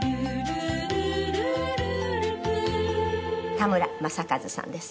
田村正和さんです。